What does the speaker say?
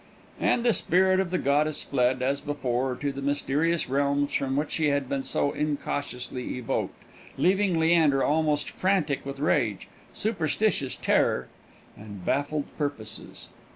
And the spirit of the goddess fled, as before, to the mysterious realms from which she had been so incautiously evoked, leaving Leander almost frantic with rage, superstitious terror, and baffled purposes.